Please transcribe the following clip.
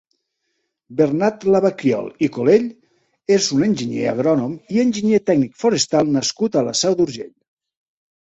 Bernat Lavaquiol i Colell és un enginyer agrònom i enginyer tècnic forestal nascut a la Seu d'Urgell.